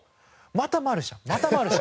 「またマルシャン」